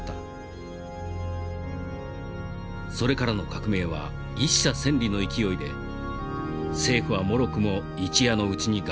それからの革命は一瀉千里の勢いで政府はもろくも一夜のうちに瓦解。